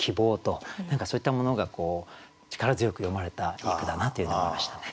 何かそういったものが力強く詠まれたいい句だなというふうに思いましたね。